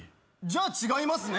じゃあ違いますね。